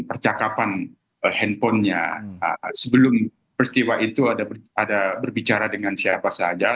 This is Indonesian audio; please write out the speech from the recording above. percakapan handphonenya sebelum peristiwa itu ada berbicara dengan siapa saja